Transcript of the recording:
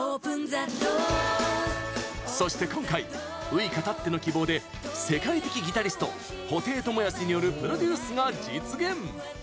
そして今回ウイカたっての希望で世界的ギタリスト布袋寅泰によるプロデュースが実現。